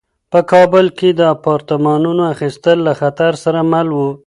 په کابل کې د اپارتمانونو اخیستل له خطر سره مل وو.